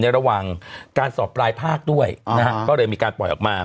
ระหว่างการสอบปลายภาคด้วยนะฮะก็เลยมีการปล่อยออกมา